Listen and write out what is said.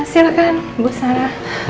silahkan bu sarah